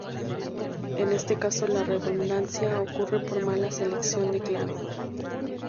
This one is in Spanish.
En este caso la redundancia ocurre por mala selección de clave.